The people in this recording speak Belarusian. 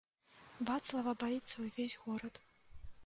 Вацлава баіцца ўвесь горад.